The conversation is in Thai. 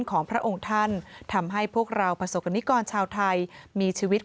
ของพระองค์ท่านทำให้พวกเราประสบกรณิกรชาวไทยมีชีวิต